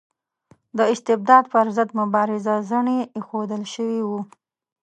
د استبداد پر ضد مبارزه زڼي ایښودل شوي وو.